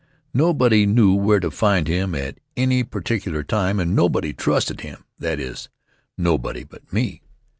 Nobody knew where to find him at any particular time, and nobody trusted him that is, nobody but me.